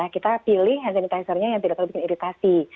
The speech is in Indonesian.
kita pilih hand sanitizernya yang tidak terlalu bikin iritasi